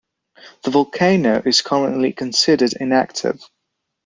The volcano is currently considered inactive.